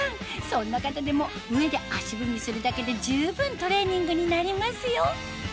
そんな方でも上で足踏みするだけで十分トレーニングになりますよ